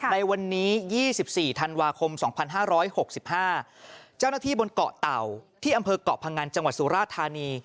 ในวันนี้๒๔ธันวาคม๒๕๖๕เจ้าหน้าที่บนเกาะเต่าที่อำเภอกเกาะพังงันจังหวัดสุราธานี